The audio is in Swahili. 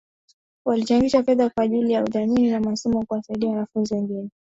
Walichangisha fedha kwa ajili ya udhamini wa masomo kuwasaidia wanafunzi wengine